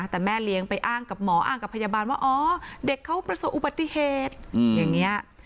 แต่แม่เลี้ยงไปอ้างกับหมออ้างกับพยาบาลว่าอ๋อเด็กเขาประสบอุบัติเหตุอย่างนี้